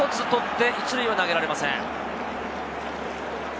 １つ取って１塁は投げられません。